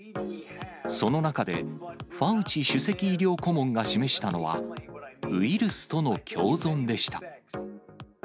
その中で、ファウチ首席医療顧問が示したのは、ウイルスとの共存でした。